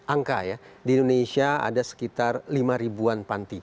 angka ya di indonesia ada sekitar lima ribuan panti